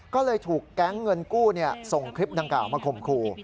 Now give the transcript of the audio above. ก็เลยถูกแก๊งเงินกู้ส่งคลิปดังกล่าวมาข่มขู่